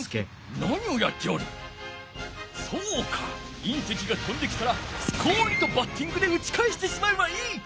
隕石が飛んできたらスコンとバッティングで打ちかえしてしまえばいい！